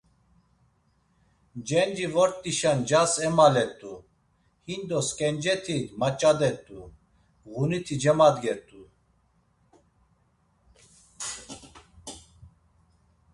Cenci vort̆işa ncas emalet̆u, hindos sǩenceti maç̌adet̆u, ğuniti cemadget̆u.